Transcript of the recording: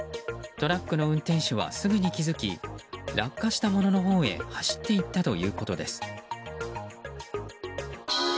トラックの運転手はすぐに気づき落下したもののほうへ走って行ったということです。